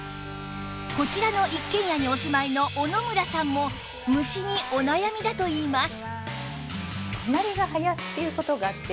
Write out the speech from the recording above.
こちらの一軒家にお住まいの小野村さんも虫にお悩みだといいます